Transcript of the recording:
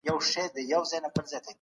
نه هیریږي